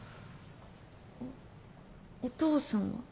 あっお父さんは？